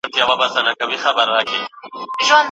بیا اوښتی میکدې ته مي نن پام دی